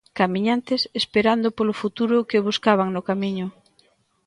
Camiñantes esperando polo futuro que buscaban no Camiño.